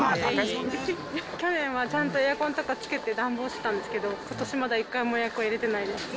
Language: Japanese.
去年はちゃんとエアコンとかつけて暖房してたんですけど、ことしまだ１回もエアコン入れてないです。